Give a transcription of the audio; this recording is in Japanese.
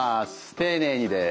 丁寧にです。